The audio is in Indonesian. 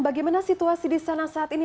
bagaimana situasi di sana saat ini